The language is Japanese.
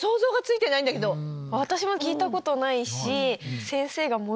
私も聞いたことないし。